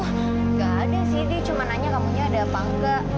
nggak ada sih didi cuma nanya kamu nyari apa enggak